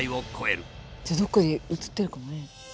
じゃあどこかで映ってるかもね。